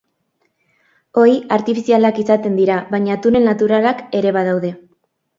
Ohi, artifizialak izaten dira, baina tunel naturalak ere badaude.